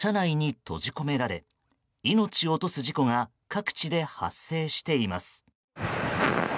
冠水した道路を走行中に車内に閉じ込められ命を落とす事故が各地で発生しています。